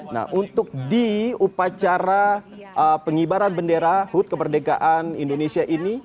nah untuk di upacara pengibaran bendera hut kemerdekaan indonesia ini